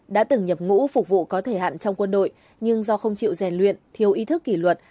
đã từng nhập ngũ phục vụ có thời hạn trong quân đội nhưng do không chịu rèn luyện thiếu ý thức kỷ luật